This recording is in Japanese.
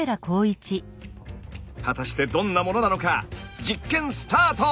果たしてどんなものなのか実験スタート！